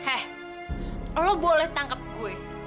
hei lo boleh tangkap gue